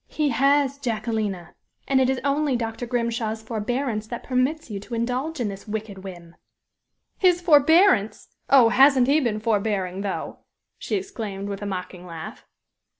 "He has, Jacquelina; and it is only Dr. Grimshaw's forbearance that permits you to indulge in this wicked whim." "His forbearance! Oh! hasn't he been forbearing, though!" she exclaimed, with a mocking laugh.